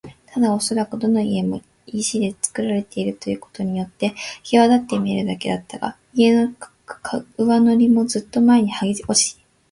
ただおそらくどの家も石でつくられているということによってきわだって見えるだけだった。だが、家々の上塗りもずっと前にはげ落ち、